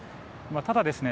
ただですね